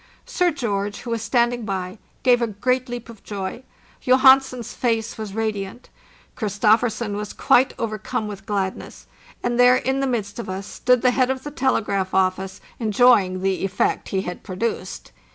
Sir George, who was standing by, gave a great leap of joy; Johansen's face was radiant; Christofersen was quite overcome with glad ness; and there in the midst of us 'stood the head of the telegraph office enjoying the effect he had produced.